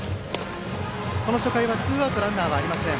この初回はツーアウトランナーはありません。